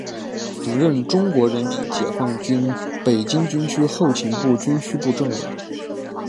曾任中国人民解放军北京军区后勤部军需部政委。